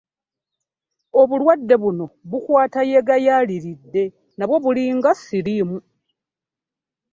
Obulwadde buno bukwata yeegayaaliridde nabwo bulinga siriimu.